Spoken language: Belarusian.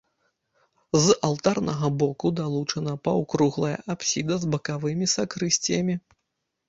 З алтарнага боку далучана паўкруглая апсіда з бакавымі сакрысціямі.